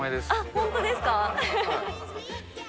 本当ですか。